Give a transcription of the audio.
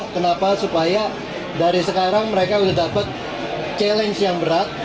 kenapa supaya dari sekarang mereka sudah dapat challenge yang berat